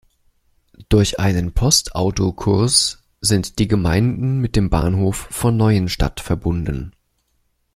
Durch einen Postautokurs sind die Gemeinden mit dem Bahnhof von Neuenstadt verbunden.